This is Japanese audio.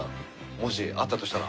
もしあったとしたら。